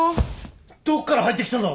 どっから入ってきたんだ！？